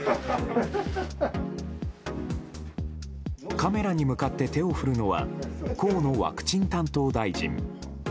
カメラに向かって手を振るのは河野ワクチン担当大臣。